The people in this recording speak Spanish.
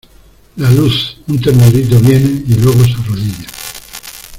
La luz; un ternerito viene, y luego se arrodilla.